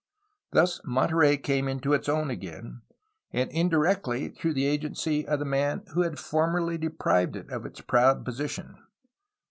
Thus Monterey came into its own again, and indirectly through the agency of the man who had formerly deprived it of its proud position.